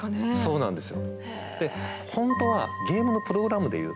そうなんです。